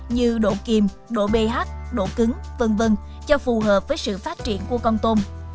như độ kìm độ ph độ cứng v v cho phù hợp với sự phát triển của con tôm